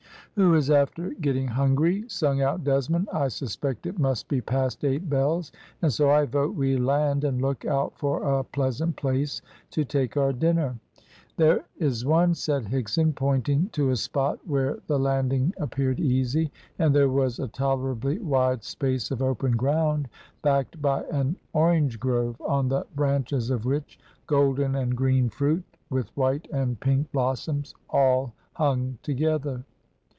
"Who is after getting hungry?" sung out Desmond. "I suspect it must be past eight bells, and so I vote we land, and look out for a pleasant place to take our dinner." "There is one," said Higson, pointing to a spot where the landing appeared easy, and there was a tolerably wide space of open ground backed by an orange grove, on the branches of which golden and green fruit, with white and pink blossoms, all hung together.